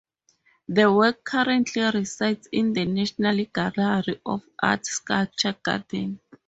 The work currently resides in the National Gallery of Art Sculpture Garden.